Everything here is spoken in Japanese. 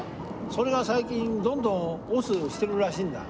それが最近どんどん押忍してるらしいんだ。